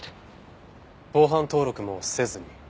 防犯登録もせずに？